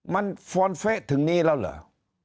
มันฟาวน์เโฟะถึงนี้แล้วหรือ